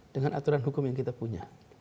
dengan aturan hukum yang kita punya